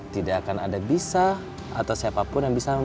tidak akan ada bisa atau siapa pun yang bisa memilih